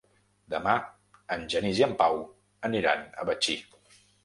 Demà en Genís i en Pau aniran a Betxí.